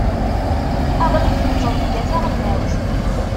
Aγlif n ttṛebga taγelnawt.